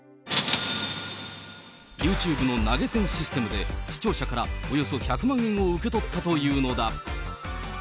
ユーチューブの投げ銭システムで、視聴者からおよそ１００万円を受け取ったというのだ。